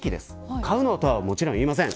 買うなとは、もちろん言いません。